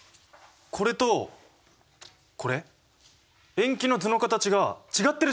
これとこれ塩基の図の形が違ってるじゃないですか。